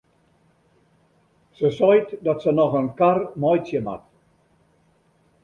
Se seit dat se noch in kar meitsje moat.